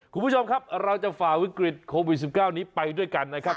คุณผู้ชมครับเราจะฝ่าวิกฤตโควิด๑๙นี้ไปด้วยกันนะครับ